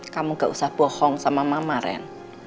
kamu gak usah bohong sama mama ren